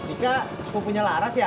ika suku punya laras ya